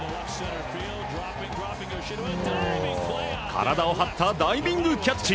体を張ったダイビングキャッチ！